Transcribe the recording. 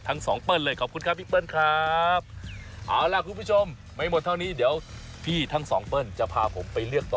ทั้งสองเปิ้ลเลยขอบคุณครับพี่เปิ้ลครับเอาล่ะคุณผู้ชมไม่หมดเท่านี้เดี๋ยวพี่ทั้งสองเปิ้ลจะพาผมไปเลือกต่อ